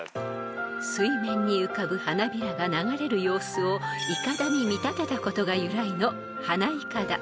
［水面に浮かぶ花びらが流れる様子をいかだに見立てたことが由来の］